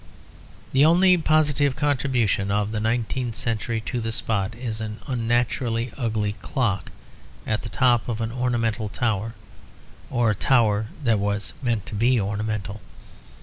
The only positive contribution of the nineteenth century to the spot is an unnaturally ugly clock, at the top of an ornamental tower, or a tower that was meant to be ornamental.